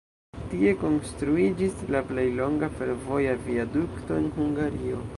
Tie konstruiĝis la plej longa fervoja viadukto en Hungario.